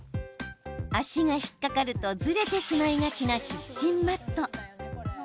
足が引っ掛かるとずれてしまいがちなキッチンマット。